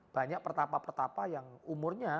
banyak pertapa pertapa yang umurnya